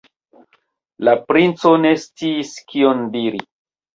La princo ne sciis, kion diri.